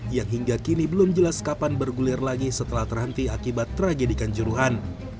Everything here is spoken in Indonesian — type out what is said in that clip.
yang hingga kini belum jelas kapan bergulir lagi setelah terhenti akibat tragedikan juruhan